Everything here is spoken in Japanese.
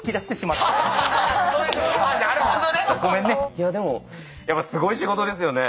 いやでもやっぱすごい仕事ですよね。